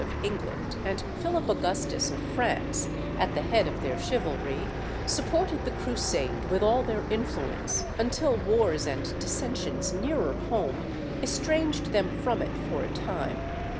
of England and Philip Augustus of France, at the head of their chivalry, supported the Crusade with all their influence, until wars and dissensions nearer home estranged them from it for a time.